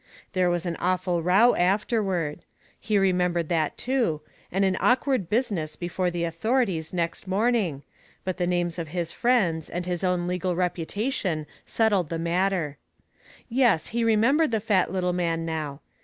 There was an awful row afterward ; he remembered that, too, and an awkward business before the authorities next morning, but the names of his friends and his own legal reputation settled the Digitized by Google J Us TIN' ff, MCCARTHY, M. P. i1 matter. Yes, he remembered the fat little man now.